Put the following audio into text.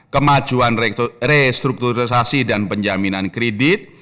kemajuan restrukturisasi dan penjaminan kredit